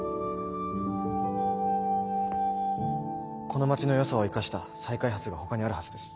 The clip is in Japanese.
この街のよさを生かした再開発がほかにあるはずです。